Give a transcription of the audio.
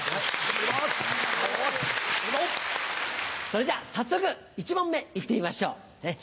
それじゃ早速１問目行ってみましょう。